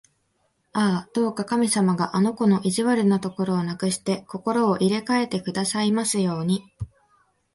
ああ、どうか神様があの子の意地悪なところをなくして、心を入れかえてくださいますように！